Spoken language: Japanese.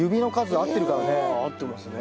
あ合ってますね。